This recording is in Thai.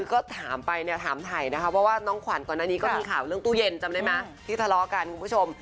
ก็ถามไปเนี่ยถามถ่ายนะคะเพราะว่าน้องขวัญก่อนหน้านี้ก็มีข่าวเรื่องตู้เย็นจำได้ไหมที่ทะเลาะกันคุณผู้ชม